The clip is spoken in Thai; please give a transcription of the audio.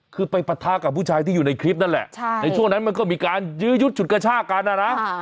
คือไปปะทะกับผู้ชายที่อยู่ในคลิปนั่นแหละในช่วงนั้นมันก็มีการยื้อยุดฉุดกระชากันนะนะ